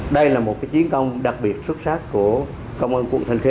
đây là một chiến công đặc biệt xuất sắc của công an quận thanh khê